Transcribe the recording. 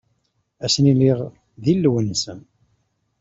A sen-iliɣ d Illu-nsen.